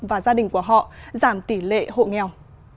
và gia đình của họ giảm tỷ lệ hộ nghèo